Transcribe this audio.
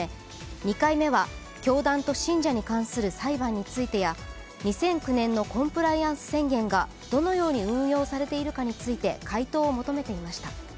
２回目は教団と信者に関する裁判についてや２００９年のコンプライアンス宣言がどのように運用されているかについて回答を求めていました。